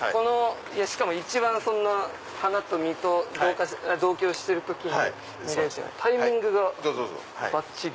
しかも花と実と同居してる時に見れるってタイミングがばっちり。